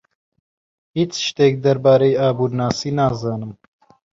هیچ شتێک دەربارەی ئابوورناسی نازانم.